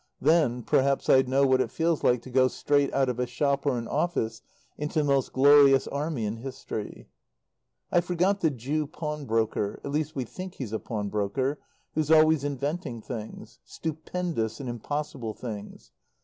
Then perhaps I'd know what it feels like to go straight out of a shop or an office into the most glorious Army in history. I forgot the Jew pawnbroker at least we think he's a pawnbroker who's always inventing things; stupendous and impossible things.